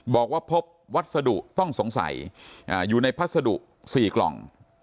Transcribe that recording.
บอกว่าพบวัสดุต้องสงสัยอยู่ในพัสดุ๔กล่อง